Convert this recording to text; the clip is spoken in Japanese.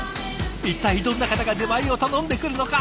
一体どんな方が出前を頼んでくるのか？